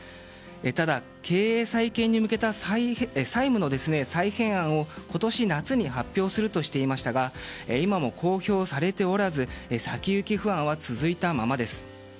ただ、経営再建に向けた債務の再編案を今年夏に発表するとしていましたが今も公表されておらず先行き不安は続いたままです。